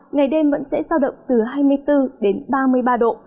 ngày đêm vẫn sẽ giao động từ hai mươi bốn đến ba mươi ba độ